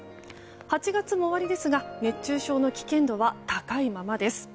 ８月も終わりですが熱中症の危険度は高いままです。